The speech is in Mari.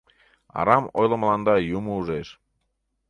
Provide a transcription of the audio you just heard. Арам ойлымыланда юмо ужеш...